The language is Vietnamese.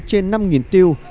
trên năm tiêu